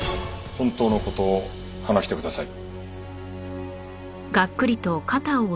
本当の事を話してください。